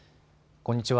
こんにちは。